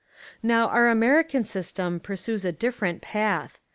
Now our American system pursues a different path.